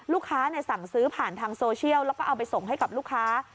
สั่งซื้อผ่านทางโซเชียลแล้วก็เอาไปส่งให้กับลูกค้า